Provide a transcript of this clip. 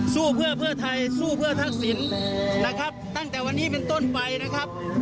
สู้เพื่อเพื่อไทยสู้เพื่อทักษิณนะครับตั้งแต่วันนี้เป็นต้นไปนะครับ